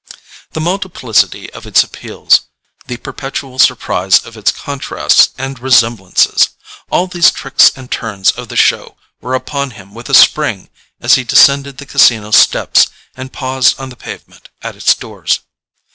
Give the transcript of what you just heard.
The multiplicity of its appeals—the perpetual surprise of its contrasts and resemblances! All these tricks and turns of the show were upon him with a spring as he descended the Casino steps and paused on the pavement at its doors.